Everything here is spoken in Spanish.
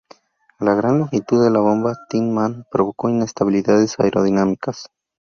La gran longitud de la bomba Thin Man provocó inestabilidades aerodinámicas.